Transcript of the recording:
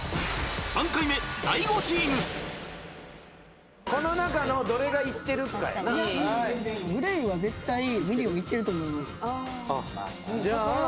３回目大悟チームこの中のどれがいってるかやなＧＬＡＹは絶対ミリオンいってると思いますじゃあ